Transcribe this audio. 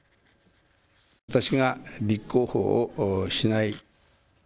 私が立候補をしない。